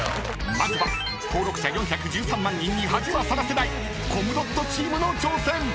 ［まずは登録者４１３万人に恥はさらせないコムドットチームの挑戦］